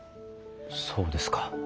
そうですか。